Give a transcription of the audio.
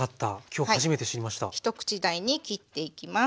一口大に切っていきます。